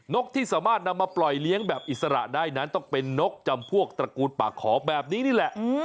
กที่สามารถนำมาปล่อยเลี้ยงแบบอิสระได้นั้นต้องเป็นนกจำพวกตระกูลปากขอแบบนี้นี่แหละ